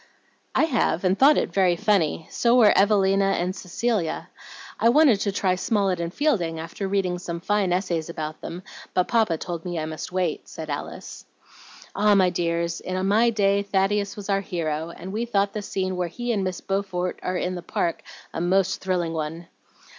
"I have, and thought it very funny; so were 'Evelina' and 'Cecilia.' I wanted to try Smollett and Fielding, after reading some fine essays about them, but Papa told me I must wait," said Alice. "Ah, my dears, in my day, Thaddeus was our hero, and we thought the scene where he and Miss Beaufort are in the Park a most thrilling one.